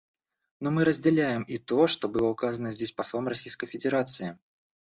Но мы разделяем и то, что было указано здесь послом Российской Федерации.